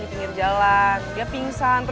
nanti hujan tembak